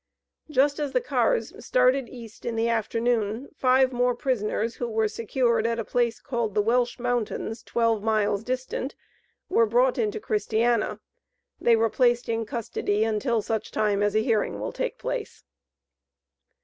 Just as the cars started east, in the afternoon, five more prisoners who were secured at a place called the Welsh Mountains, twelve miles distant, were brought into Christiana. They were placed in custody until such time as a hearing will take place."